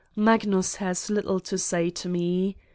Magnus has little to say to me.